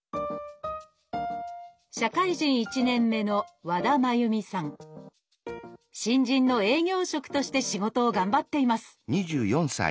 社会人１年目の新人の営業職として仕事を頑張っています。